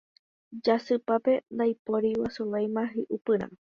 Jasypápe ndaiporiguasuvéima hiʼupyrã.